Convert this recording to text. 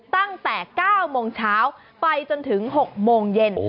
ตั้งแต่๙โมงเช้าไปจนถึง๖โมงเย็น